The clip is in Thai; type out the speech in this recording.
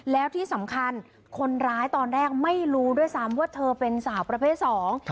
แล้วที่สำคัญคนร้ายตอนแรกไม่รู้ด้วยซ้ำว่าเธอเป็นสาวประเภทสอง